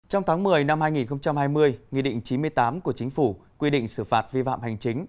trong tháng một mươi năm hai nghìn hai mươi nghị định chín mươi tám của chính phủ quy định xử phạt vi phạm hành chính